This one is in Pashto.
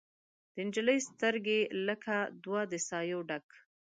د نجلۍ سترګې لکه دوه د سايو ډک